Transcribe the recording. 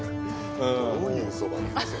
どういうそばなんですか？